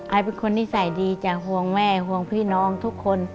เป็นคนนิสัยดีจ้ะห่วงแม่ห่วงพี่น้องทุกคน